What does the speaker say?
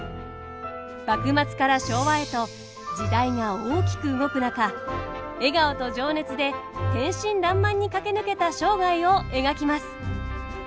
幕末から昭和へと時代が大きく動く中笑顔と情熱で天真らんまんに駆け抜けた生涯を描きます。